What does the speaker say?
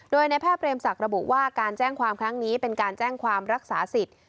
โดยในแพทย์เรมศักดิ์ระบุว่าการแจ้งความครั้งนี้เป็นการแจ้งความรักษาสิทธิ์